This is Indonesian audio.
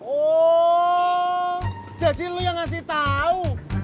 oh jadi lo yang kasih tau